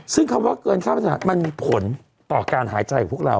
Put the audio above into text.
ซึ่งคำว่าเกินค่าประสาทมันมีผลต่อการหายใจของพวกเรา